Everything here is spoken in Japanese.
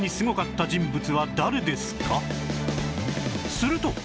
すると